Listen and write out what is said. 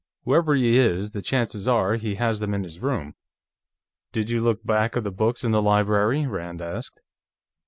Whoever he is, the chances are he has them in his room." "Did you look back of the books in the library?" Rand asked.